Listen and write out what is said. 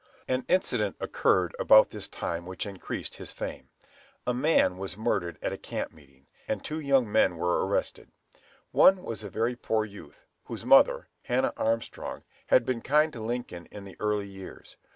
An incident occurred about this time which increased his fame. A man was murdered at a camp meeting, and two young men were arrested. One was a very poor youth, whose mother, Hannah Armstrong, had been kind to Lincoln in the early years.